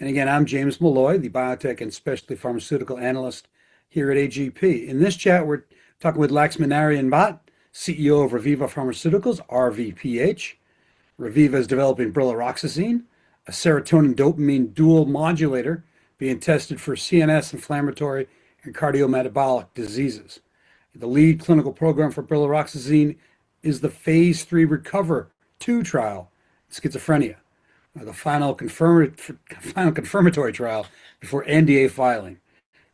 I'm James Molloy, the biotech and specialty pharmaceutical analyst here at A.G.P. In this chat, we're talking with Laxminarayan Bhat, CEO of Reviva Pharmaceuticals, RVPH. Reviva is developing brilaroxazine, a serotonin dopamine dual modulator being tested for CNS inflammatory and cardiometabolic diseases. The lead clinical program for brilaroxazine is the phase III RECOVER-2 trial, schizophrenia, the final confirmatory trial before NDA filing.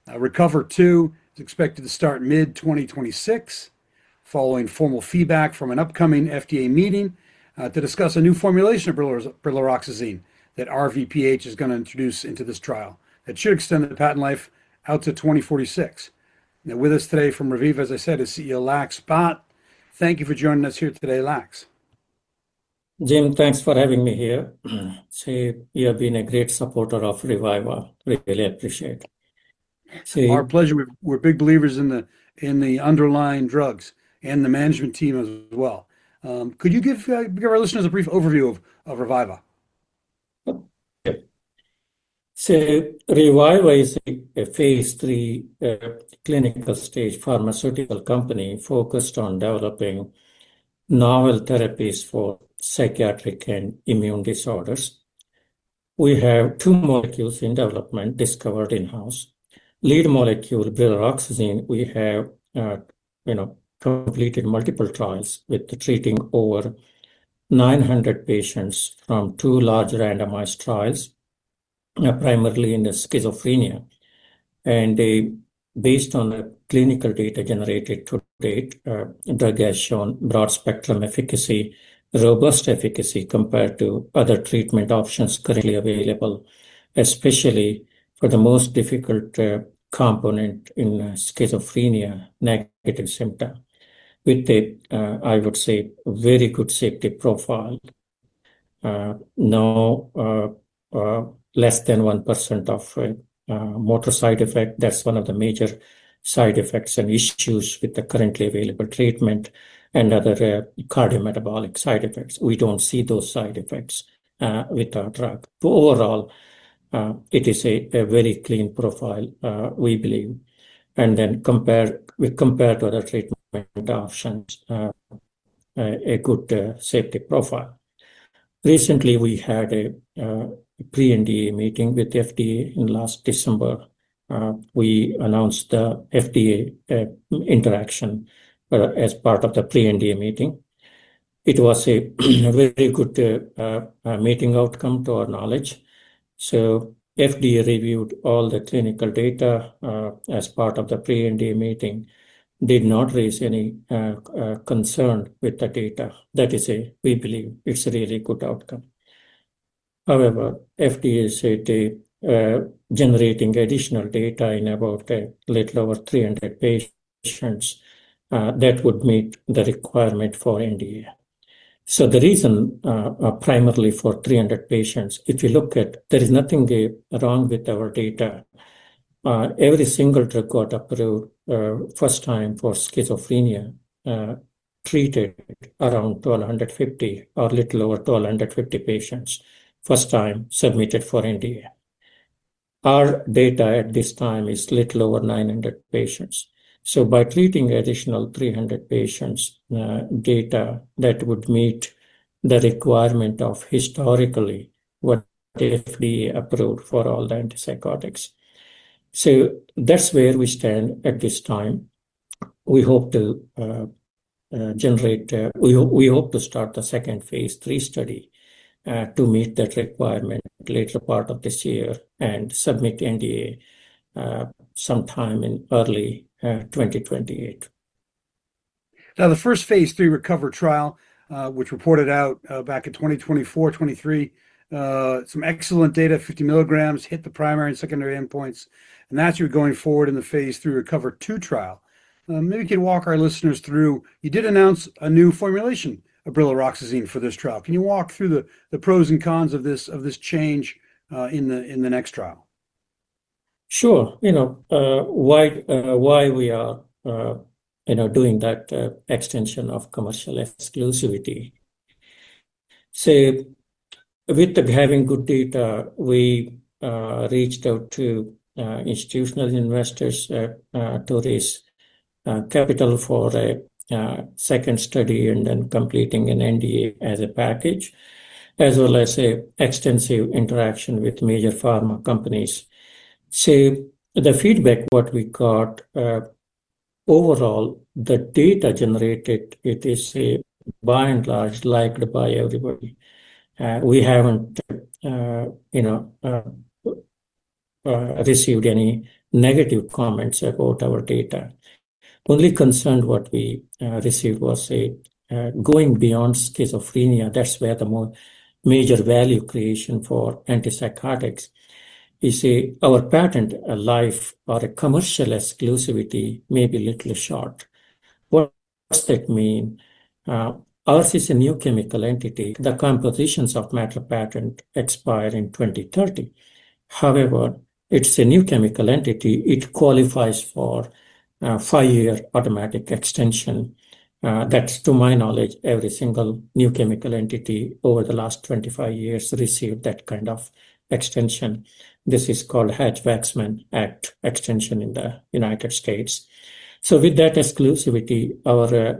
RECOVER-2 is expected to start mid-2026, following formal feedback from an upcoming FDA meeting, to discuss a new formulation of brilaroxazine that RVPH is going to introduce into this trial. That should extend the patent life out to 2046. With us today from Reviva, as I said, is CEO Lax Bhat. Thank you for joining us here today, Lax. Jim, thanks for having me here. You have been a great supporter of Reviva. Really appreciate. Our pleasure. We're big believers in the underlying drugs and the management team as well. Could you give our listeners a brief overview of Reviva? Sure. Reviva is a phase III clinical stage pharmaceutical company focused on developing novel therapies for psychiatric and immune disorders. We have two molecules in development discovered in-house. Lead molecule, brilaroxazine, we have completed multiple trials with treating over 900 patients from two large randomized trials, primarily in schizophrenia. Based on the clinical data generated to date, the drug has shown broad spectrum efficacy, robust efficacy compared to other treatment options currently available, especially for the most difficult component in schizophrenia, negative symptom, with a, I would say, very good safety profile. Less than 1% of motor side effect, that's one of the major side effects and issues with the currently available treatment, and other cardiometabolic side effects. We don't see those side effects with our drug. Overall, it is a very clean profile, we believe. Compared with other treatment options, a good safety profile. Recently, we had a pre-NDA meeting with FDA in last December. We announced the FDA interaction as part of the pre-NDA meeting. It was a very good meeting outcome, to our knowledge. FDA reviewed all the clinical data, as part of the pre-NDA meeting. Did not raise any concern with the data. That is, we believe, it's a really good outcome. However, FDA said generating additional data in about a little over 300 patients, that would meet the requirement for NDA. The reason primarily for 300 patients, if you look at, there is nothing wrong with our data. Every single drug got approved first time for schizophrenia treated around 1,250 or little over 1,250 patients first time submitted for NDA. Our data at this time is little over 900 patients. By treating additional 300 patients data, that would meet the requirement of historically what the FDA approved for all the antipsychotics. That's where we stand at this time. We hope to start the second phase III study, to meet that requirement later part of this year and submit NDA sometime in early 2028. Now, the first phase III RECOVER trial, which reported out back in 2024, 2023, some excellent data, 50mg hit the primary and secondary endpoints, and that's what you're going forward in the phase III RECOVER-2 trial. Maybe you can walk our listeners through, you did announce a new formulation of brilaroxazine for this trial. Can you walk through the pros and cons of this change in the next trial? Sure. Why we are doing that extension of commercial exclusivity. With having good data, we reached out to institutional investors to raise capital for a second study and then completing an NDA as a package, as well as extensive interaction with major pharma companies. The feedback what we got, overall, the data generated, it is by and large liked by everybody. We haven't received any negative comments about our data. Only concern what we received was going beyond schizophrenia, that's where the more major value creation for antipsychotics. You see, our patent life or commercial exclusivity may be little short. What does that mean? Ours is a new chemical entity. The composition of matter patent expire in 2030. It's a new chemical entity. It qualifies for a five-year automatic extension. To my knowledge, every single new chemical entity over the last 25 years received that kind of extension. This is called Hatch-Waxman Act extension in the United States. With that exclusivity,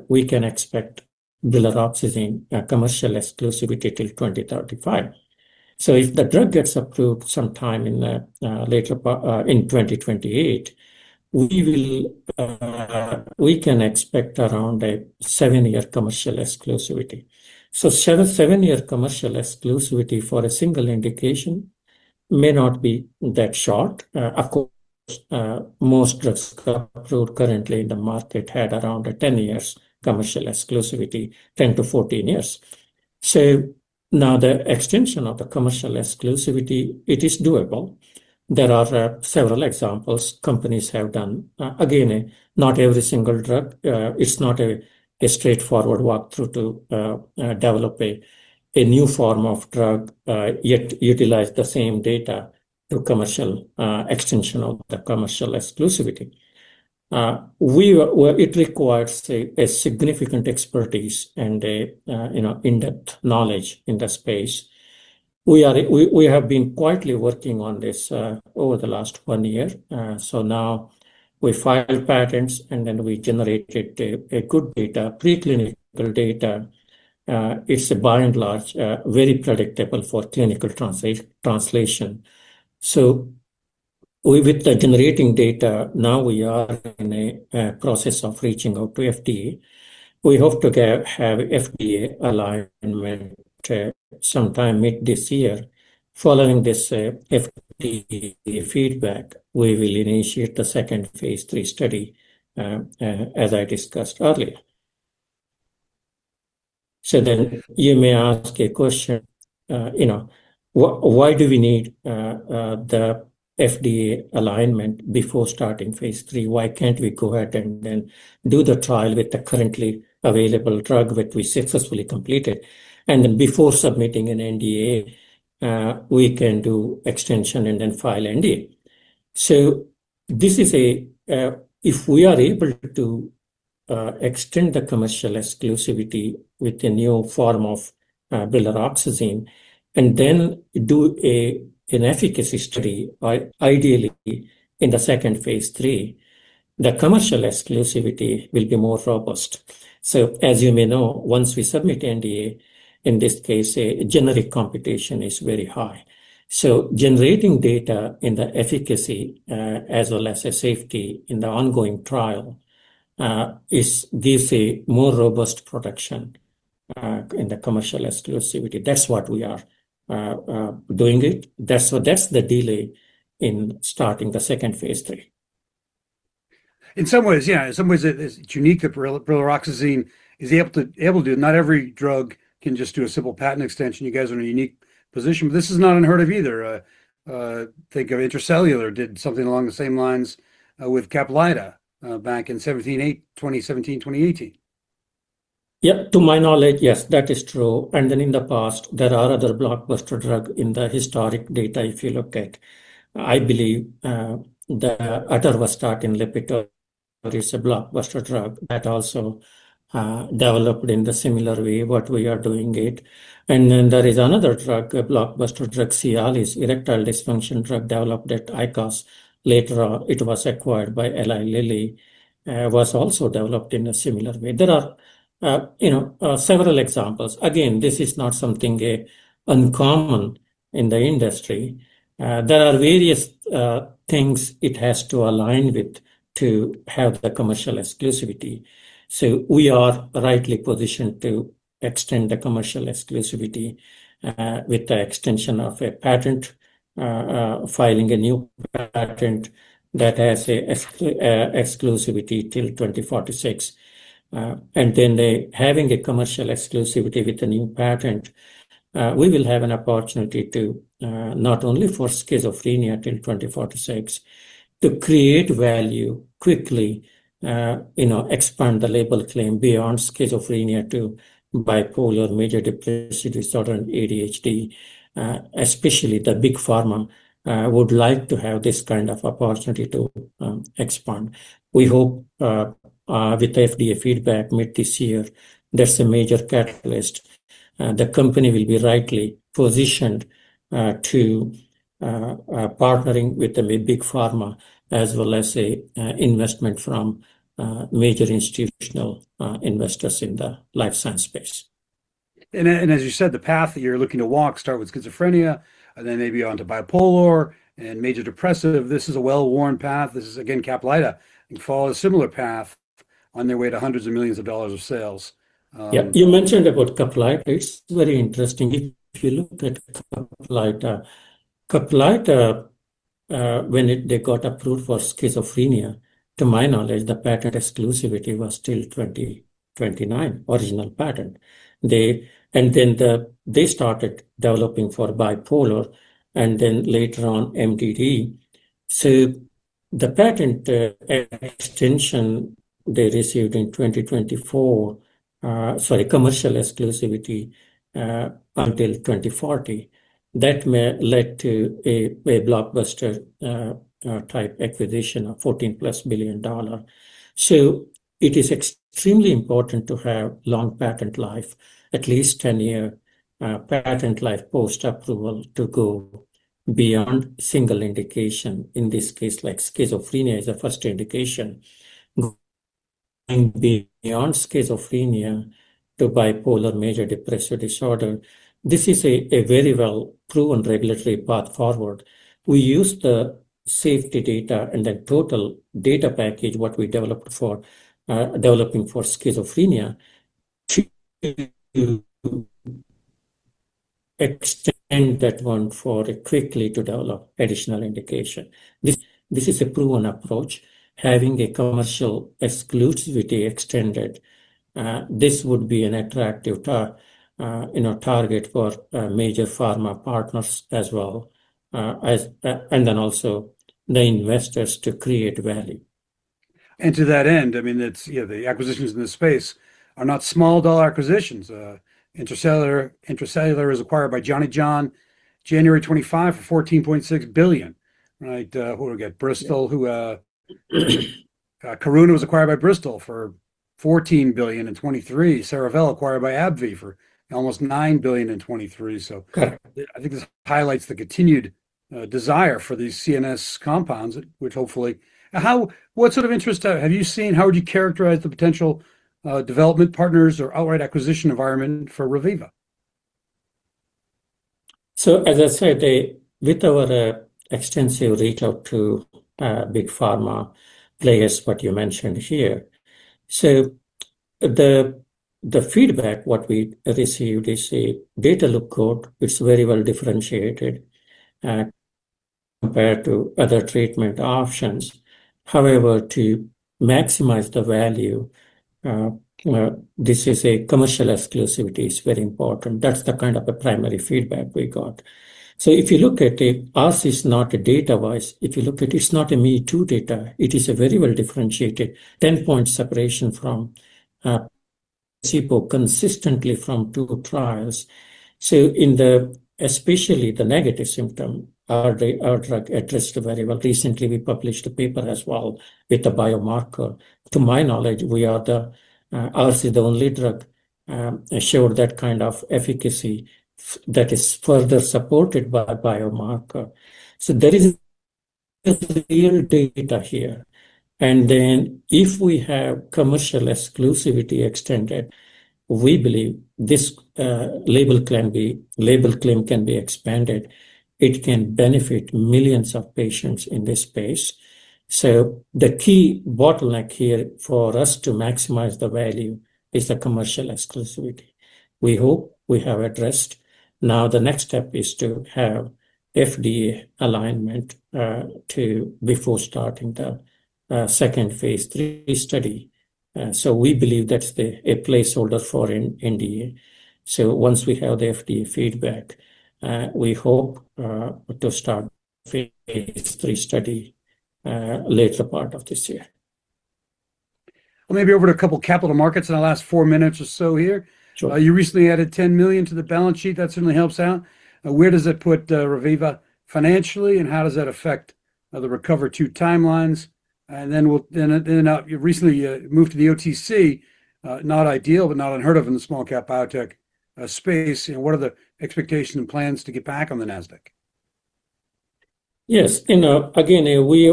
we can expect brilaroxazine commercial exclusivity till 2035. If the drug gets approved sometime in 2028, we can expect around a seven-year commercial exclusivity. Seven-year commercial exclusivity for a single indication may not be that short. Of course, most drugs currently in the market had around a 10 years commercial exclusivity, 10-14 years. Now the extension of the commercial exclusivity, it is doable. There are several examples companies have done. Again, not every single drug. It's not a straightforward walkthrough to develop a new form of drug, yet utilize the same data to commercial extension of the commercial exclusivity. It requires a significant expertise and in-depth knowledge in the space. We have been quietly working on this over the last 1 year. Now we file patents, and then we generated a good data, preclinical data. It's by and large very predictable for clinical translation. With the generating data, now we are in a process of reaching out to FDA. We hope to have FDA alignment sometime mid this year. Following this FDA feedback, we will initiate the second phase III study, as I discussed earlier. You may ask a question, "Why do we need the FDA alignment before starting phase III? Why can't we go ahead and then do the trial with the currently available drug that we successfully completed, and then before submitting an NDA, we can do extension and then file NDA? If we are able to extend the commercial exclusivity with a new form of brilaroxazine and then do an efficacy study, ideally in the second phase III, the commercial exclusivity will be more robust. As you may know, once we submit NDA, in this case, a generic competition is very high. Generating data in the efficacy as well as safety in the ongoing trial gives a more robust protection in the commercial exclusivity. That's what we are doing it. That's the delay in starting the second phase III. In some ways, yeah. In some ways, it's unique that brilaroxazine is able to do it. Not every drug can just do a simple patent extension. You guys are in a unique position, but this is not unheard of either. Think of Intra-Cellular Therapies did something along the same lines with CAPLYTA back in 2017, 2018. Yeah. To my knowledge, yes, that is true. In the past, there are other blockbuster drug in the historic data if you look at. I believe the atorvastatin, LIPITOR, is a blockbuster drug that also developed in the similar way what we are doing it. There is another drug, a blockbuster drug, Cialis, erectile dysfunction drug developed at ICOS. Later on it was acquired by Eli Lilly, was also developed in a similar way. There are several examples. Again, this is not something uncommon in the industry. There are various things it has to align with to have the commercial exclusivity. We are rightly positioned to extend the commercial exclusivity with the extension of a patent, filing a new patent that has exclusivity till 2046. Having a commercial exclusivity with a new patent, we will have an opportunity to not only for schizophrenia till 2046, to create value quickly, expand the label claim beyond schizophrenia to bipolar, major depressive disorder, and ADHD. Especially the big pharma would like to have this kind of opportunity to expand. We hope with FDA feedback mid this year, that's a major catalyst. The company will be rightly positioned to partnering with the big pharma, as well as investment from major institutional investors in the life science space. As you said, the path that you're looking to walk, start with schizophrenia and then maybe onto bipolar and major depressive. This is a well-worn path. This is, again, CAPLYTA followed a similar path on their way to hundreds of millions of dollars of sales. Yeah. You mentioned about CAPLYTA. It's very interesting if you look at CAPLYTA. CAPLYTA, when they got approved for schizophrenia, to my knowledge, the patent exclusivity was till 2029, original patent. Then they started developing for bipolar and then later on MDD. The patent extension they received in 2024, sorry, commercial exclusivity until 2040, that led to a blockbuster-type acquisition of $14-plus billion. It is extremely important to have long patent life, at least 10-year patent life post-approval to go beyond single indication. In this case, like schizophrenia is a first indication, going beyond schizophrenia to bipolar major depressive disorder. This is a very well proven regulatory path forward. We use the safety data and the total data package, what we developed for, developing for schizophrenia to extend that one for it quickly to develop additional indication. This is a proven approach, having a commercial exclusivity extended. This would be an attractive target for major pharma partners as well, and then also the investors to create value. To that end, the acquisitions in this space are not small dollar acquisitions. Intra-Cellular Therapies was acquired by Johnson & Johnson, January 2025 for $14.6 billion, right? Who did we get? Bristol-Myers Squibb, who Karuna Therapeutics was acquired by Bristol-Myers Squibb for $14 billion in 2023. Cerevel Therapeutics acquired by AbbVie Inc. for almost $9 billion in 2023. I think this highlights the continued desire for these CNS compounds. What sort of interest have you seen? How would you characterize the potential development partners or outright acquisition environment for Reviva Pharmaceuticals? As I said, with our extensive reach out to big pharma players, what you mentioned here. The feedback, what we received is data look good. It's very well differentiated compared to other treatment options. However, to maximize the value, this is a commercial exclusivity. It's very important. That's the kind of the primary feedback we got. If you look at it, ours is not a data wise. If you look at, it's not a me-too data. It is a very well differentiated 10-point separation from consistently from two trials. Especially the negative symptom, our drug addressed very well. Recently we published a paper as well with the biomarker. To my knowledge, ours is the only drug showed that kind of efficacy that is further supported by biomarker. There is real data here, and then if we have commercial exclusivity extended, we believe this label claim can be expanded. It can benefit millions of patients in this space. The key bottleneck here for us to maximize the value is the commercial exclusivity we hope we have addressed. Now the next step is to have FDA alignment before starting the second phase III study. We believe that's a placeholder for NDA. Once we have the FDA feedback, we hope to start phase III study later part of this year. Well, maybe over to a couple capital markets in the last four minutes or so here. Sure. You recently added $10 million to the balance sheet. That certainly helps out. Where does it put Reviva financially, and how does that affect the RECOVER-2 timelines? You recently moved to the OTC, not ideal, but not unheard of in the small cap biotech space. What are the expectations and plans to get back on the Nasdaq? Yes. Again, we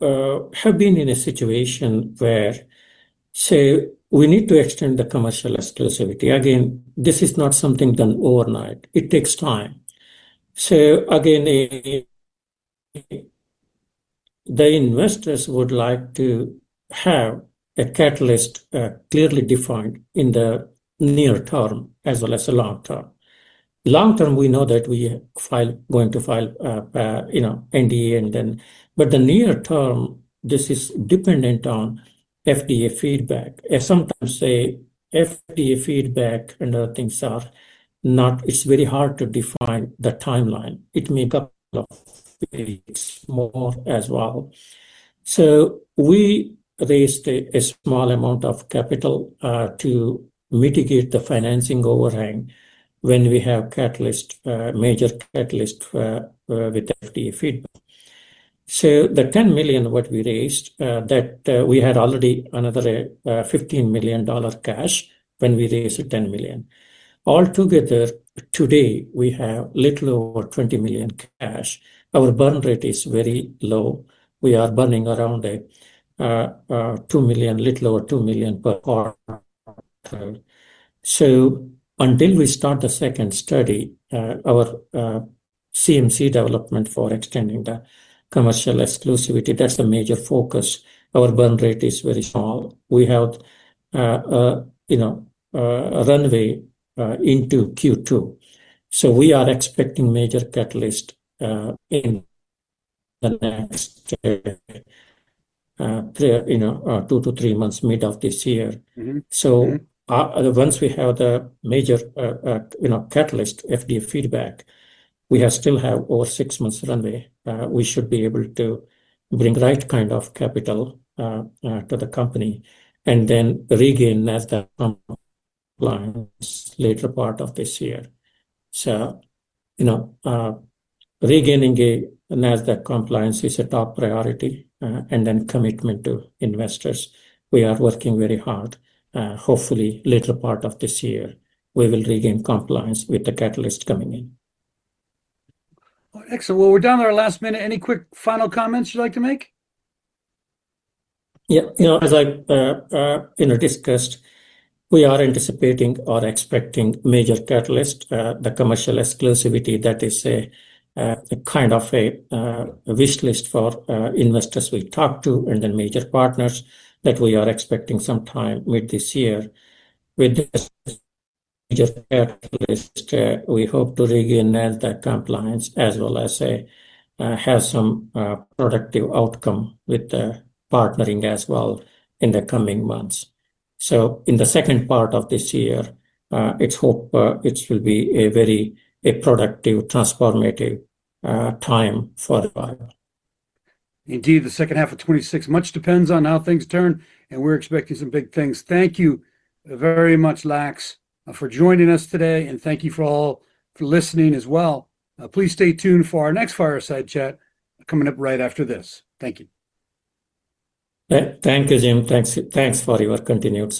have been in a situation where, say, we need to extend the commercial exclusivity. Again, this is not something done overnight. It takes time. Again, the investors would like to have a catalyst clearly defined in the near term as well as the long term. Long term, we know that we are going to file NDA. The near term, this is dependent on FDA feedback. As sometimes say, FDA feedback and other things, it's very hard to define the timeline. It may couple of weeks more as well. We raised a small amount of capital to mitigate the financing overhang when we have catalyst, major catalyst with FDA feedback. The $10 million what we raised, that we had already another $15 million cash when we raised $10 million. Altogether today, we have little over $20 million cash. Our burn rate is very low. We are burning around $2 million, little over $2 million per quarter. Until we start the second study, our CMC development for extending the commercial exclusivity, that's the major focus. Our burn rate is very small. We have a runway into Q2, We are expecting major catalyst in the next two to three months mid of this year. Once we have the major catalyst, FDA feedback, we still have over six months runway. We should be able to bring right kind of capital to the company and then regain Nasdaq compliance later part of this year. Regaining a Nasdaq compliance is a top priority, and then commitment to investors. We are working very hard. Hopefully later part of this year we will regain compliance with the catalyst coming in. All right, excellent. Well, we're down to our last minute. Any quick final comments you'd like to make? Yeah. As I discussed, we are anticipating or expecting major catalyst, the commercial exclusivity that is a kind of a wish list for investors we talk to, then major partners that we are expecting sometime mid this year. With this major catalyst, we hope to regain Nasdaq compliance as well as have some productive outcome with the partnering as well in the coming months. In the second part of this year, it's hope it will be a very productive, transformative time for Reviva. Indeed, the H2 of 2026 much depends on how things turn, and we're expecting some big things. Thank you very much, Lax, for joining us today, and thank you for all for listening as well. Please stay tuned for our next Fireside Chat coming up right after this. Thank you. Thank you, Jim. Thanks for your continued support.